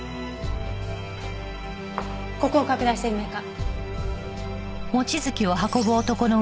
ここを拡大鮮明化。